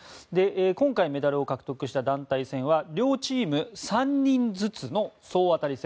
今回メダルを獲得した団体戦は両チーム３人ずつの総当たり戦。